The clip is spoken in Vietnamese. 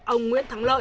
ông nguyễn thắng lợi